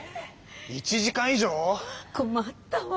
１時間以上⁉こまったわ！